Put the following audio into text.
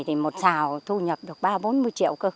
thì một xào thu nhập được ba bốn mươi triệu cơ